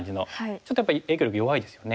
ちょっとやっぱり影響力弱いですよね。